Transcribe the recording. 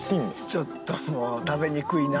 ちょっともう食べにくいな。